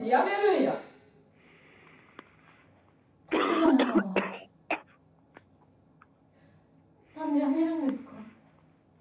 橘さんは何でやめるんですか？